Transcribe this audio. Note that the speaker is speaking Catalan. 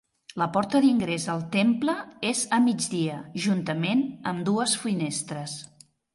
La porta d'ingrés al temple és a migdia, juntament amb dues finestres.